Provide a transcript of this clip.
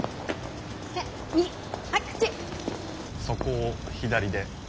そこを左で。